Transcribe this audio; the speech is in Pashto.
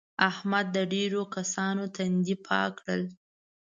احمد د ډېرو کسانو تندي پاک کړل.